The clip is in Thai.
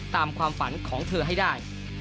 ตามความฝันของเธอให้ได้